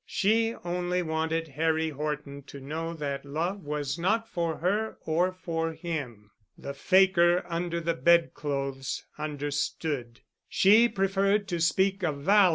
She only wanted Harry Horton to know that love was not for her or for him. The fakir under the bed clothes understood. She preferred to speak of valor.